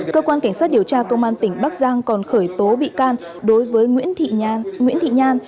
cơ quan cảnh sát điều tra công an tỉnh bắc giang còn khởi tố bị can đối với nguyễn thị nguyễn thị nhan